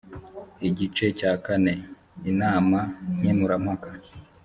igice cya kane inama nkemurampaka